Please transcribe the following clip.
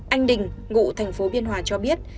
anh đình ngụ thành phố biên hòa cho biết